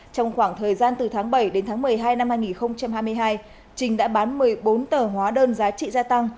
trong khoảng thời gian từ tháng bảy đến tháng một mươi hai năm hai nghìn hai mươi hai trinh đã bán một mươi bốn tờ hóa đơn giá trị gia tăng